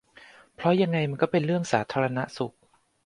เพราะยังไงมันก็เป็นเรื่องสาธารณสุข